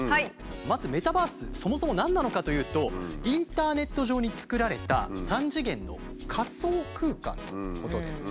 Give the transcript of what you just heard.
まずメタバースそもそも何なのかというとインターネット上に作られた３次元の仮想空間のことです。